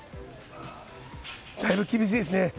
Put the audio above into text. だいぶ厳しいですね。